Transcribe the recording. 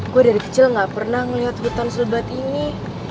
gue dari kecil gak pernah ngeliat hutan sulbat ini